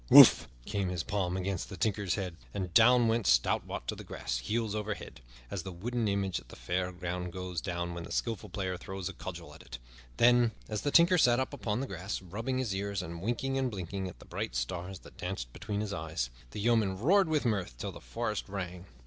"WHOOF!" came his palm against the Tinker's head, and down went stout Wat to the grass, heels over head, as the wooden image at the fair goes down when the skillful player throws a cudgel at it. Then, as the Tinker sat up upon the grass, rubbing his ear and winking and blinking at the bright stars that danced before his eyes, the yeomen roared with mirth till the forest rang.